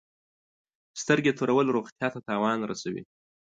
سترګي تورول روغتیا ته تاوان رسوي.